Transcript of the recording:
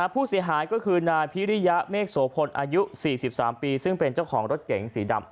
ผู้เสียหายก็คือนายพิริยะเมฆโสพลอายุ๔๓ปีซึ่งเป็นเจ้าของรถเก๋งสีดำ